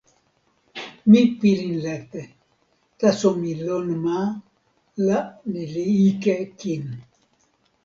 mi pilin lete. taso mi lon ma, la ni li ike kin.